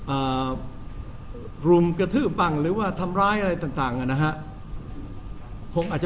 อ่ารุมกระทืบบ้างหรือว่าทำร้ายอะไรต่างต่างอ่ะนะฮะคงอาจจะ